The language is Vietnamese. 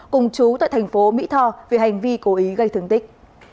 cùng chú tại thành phố mỹ tho về hành vi cố ý gây thương tích